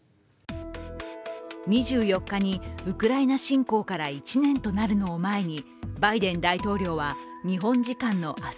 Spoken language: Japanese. ２４日にウクライナ侵攻から１年となるのを前にバイデン大統領は日本時間の明日